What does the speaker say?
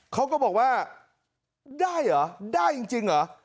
เขาก็บอกว่าได้เหรอได้จริงเหรอ